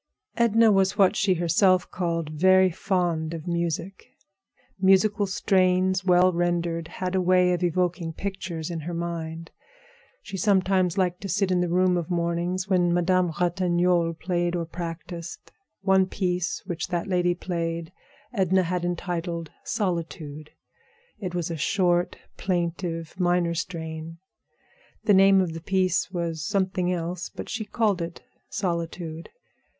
Edna was what she herself called very fond of music. Musical strains, well rendered, had a way of evoking pictures in her mind. She sometimes liked to sit in the room of mornings when Madame Ratignolle played or practiced. One piece which that lady played Edna had entitled "Solitude." It was a short, plaintive, minor strain. The name of the piece was something else, but she called it "Solitude."